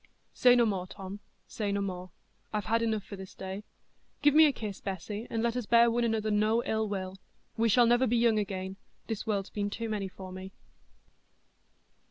"Say no more, Tom, say no more; I've had enough for this day. Give me a kiss, Bessy, and let us bear one another no ill will; we shall never be young again—this world's been too many for me."